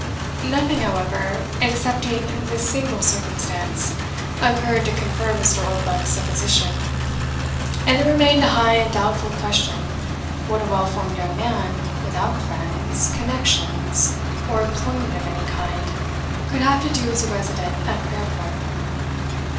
Nothing, however, excepting this single circumstance, occurred to confirm Mr. Oldbuck's supposition; and it remained a high and doubtful question, what a well informed young man, without friends, connections, or employment of any kind, could have to do as a resident at Fairport.